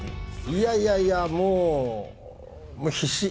いやいやいや、もう、もう必死。